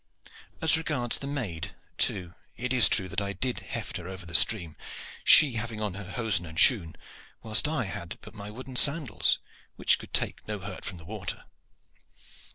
As regards the maid, too, it is true that I did heft her over the stream, she having on her hosen and shoon, whilst I had but my wooden sandals, which could take no hurt from the water.